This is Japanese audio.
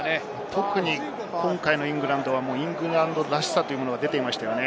特に今回のイングランドは、イングランドらしさが出ていました。